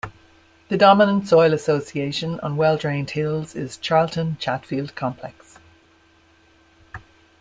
The dominant soil association on well-drained hills is Charlton-Chatfield complex.